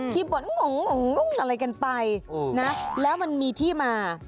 บนงงอะไรกันไปนะแล้วมันมีที่มา